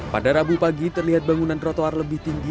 pada rabu pagi terlihat bangunan trotoar lebih tinggi